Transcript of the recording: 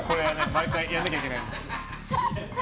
毎回やんなきゃいけないから。